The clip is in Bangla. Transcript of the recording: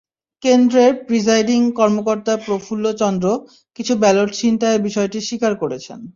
কেন্দ্রের প্রিসাইডিং কর্মকর্তা প্রফুল্ল চন্দ্র কিছু ব্যালট ছিনতাইয়ের বিষয়টি স্বীকার করেছেন।